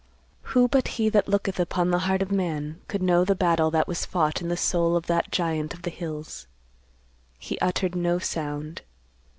Who but He that looketh upon the heart of man could know the battle that was fought in the soul of that giant of the hills? He uttered no sound.